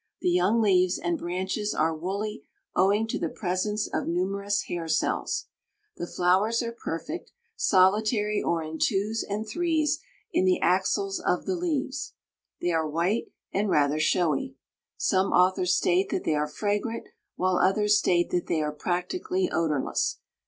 The young leaves and branches are woolly owing to the presence of numerous hair cells. The flowers are perfect, solitary or in twos and threes in the axils of the leaves. They are white and rather showy. Some authors state that they are fragrant, while others state that they are practically odorless.